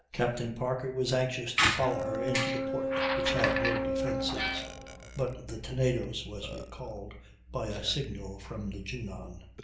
Captain Parker was anxious to follow her into the port, which had no defences; but the Tenedos was recalled by a signal from the Junon."